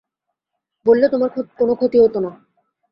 বললে তোমার কোনো ক্ষতি হত না।